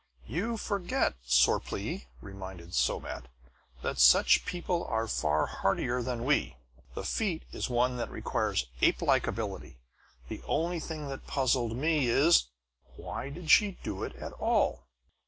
"You forget, Sorplee," reminded Somat, "that such people are far hardier than we. The feat is one that requires apelike ability. The only thing that puzzled me is why did she do it at all?"